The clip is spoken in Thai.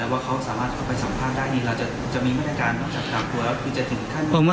หรือว่าเขาสามารถเข้าไปสัมภาพได้ดีหรือว่าจะมีบรรยาการต้องจับกลางครัว